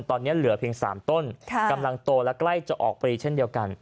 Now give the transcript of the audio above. ตอนนี้เหลือเพียง๓ต้นกำลังโตและใกล้จะออกปรีเช่นเดียวกัน